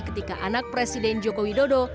ketika anak presiden joko widodo